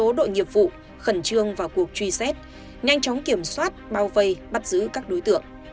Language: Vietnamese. won ró sương mặt trời hóa mắt lộ tự nhiên đẩy dựa đến một số đội nghiệp vụ khẩn trương vào cuộc truy xét nhanh chóng kiểm soát bao vây bắt giữ các đối tượng